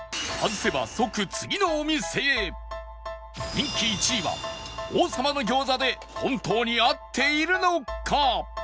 人気１位は王さまの餃子で本当に合っているのか！？